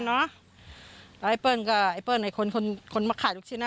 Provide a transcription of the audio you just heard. เนอะแต่ไอ้เปิ้ลก็ไอ้เปิ้ลไอ้คนคนคนมาขายทุกชิ้นน่ะ